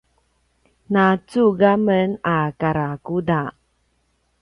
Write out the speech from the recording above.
na cug a men a karakuda